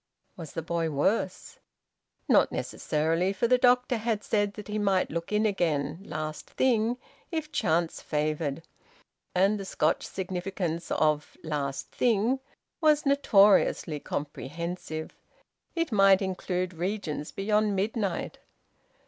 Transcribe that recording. Was the boy worse? Not necessarily, for the doctor had said that he might look in again `last thing,' if chance favoured. And the Scotch significance of `last thing' was notoriously comprehensive; it might include regions beyond midnight.